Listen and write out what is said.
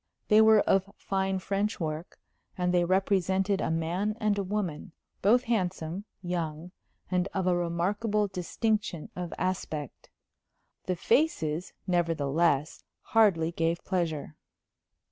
They were of fine French work, and they represented a man and woman, both handsome, young, and of a remarkable distinction of aspect. The faces, nevertheless, hardly gave pleasure.